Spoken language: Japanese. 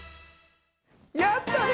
やったね！